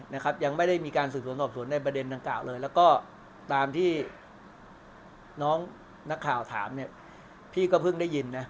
นะครับยังไม่ได้มีการสืบสวนสอบสวนในประเด็นดังกล่าวเลยแล้วก็ตามที่น้องนักข่าวถามเนี่ยพี่ก็เพิ่งได้ยินนะ